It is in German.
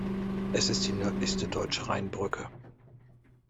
Es ist die nördlichste deutsche Rheinbrücke.